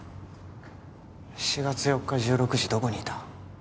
４月４日１６時どこにいた？